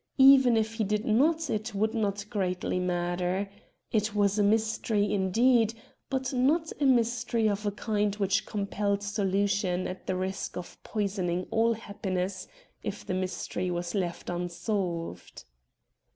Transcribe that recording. Even if he did not it would not greatly matter. It was a mystery, indeed, but not a mystery of a kind which compelled solution at the risk of poisoning all happiness if the mystery was left unsolved.